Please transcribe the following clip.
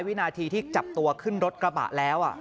วินาทีที่จับตัวขึ้นรถกระบะแล้ว